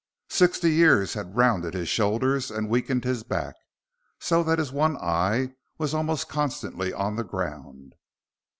Sixty years had rounded his shoulders and weakened his back, so that his one eye was almost constantly on the ground.